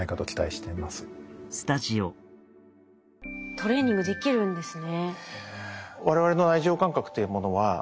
トレーニングできるんですね。